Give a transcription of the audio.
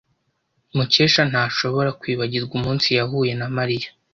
Mukesha ntashobora kwibagirwa umunsi yahuye na Mariya.